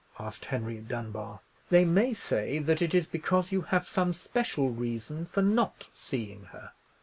asked Henry Dunbar. "They may say that it is because you have some special reason for not seeing her."